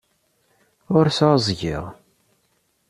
Ur sɛuẓẓgeɣ.